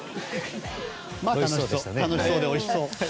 楽しそうでおいしそう。